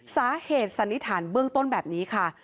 สันนิษฐานเบื้องต้นแบบนี้ค่ะ